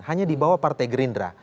hanya di bawah partai gerindra